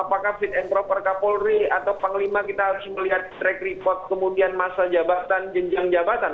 apakah fit and proper kapolri atau panglima kita harus melihat track record kemudian masa jabatan jenjang jabatan